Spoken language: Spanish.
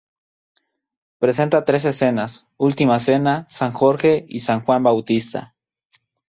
Presenta tres escenas: "Última Cena", "San Jorge", y "San Juan Bautista".